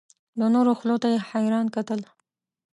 د نورو خولو ته یې حیران کتل.